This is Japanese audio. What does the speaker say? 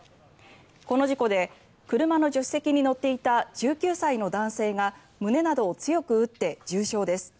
この事故で車の助手席に乗っていた１９歳の男性が胸などを強く打って重傷です。